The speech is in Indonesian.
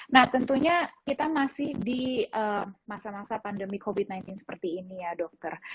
nah tentunya kita masih di masa masa pandemi covid sembilan belas seperti ini ya dokter